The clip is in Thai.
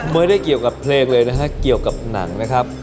ไม่ได้เกี่ยวกับเพลงเลยนะฮะเกี่ยวกับหนังนะครับ